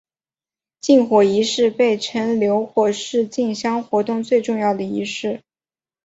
进火仪式又称刈火是进香活动最重要的仪式。